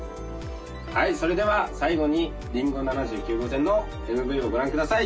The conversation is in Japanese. はいそれでは最後に「林檎７９号線」のＭＶをご覧ください！